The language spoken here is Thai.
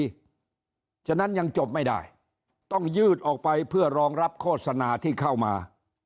เพราะฉะนั้นยังจบไม่ได้ต้องยืดออกไปเพื่อรองรับโฆษณาที่เข้ามา